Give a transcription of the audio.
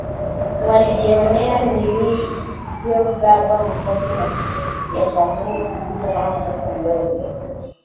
Walijionea nilivyozabwa makofi ya shavuni mfululizo kama mtoto mdogo